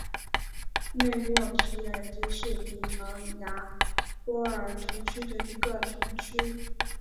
内沃吉尔迪是葡萄牙波尔图区的一个堂区。